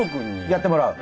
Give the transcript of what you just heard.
やってもらう？